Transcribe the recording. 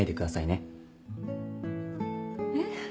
えっ？